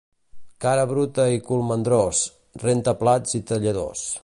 Cara bruta i cul mandrós, renta plats i talladors.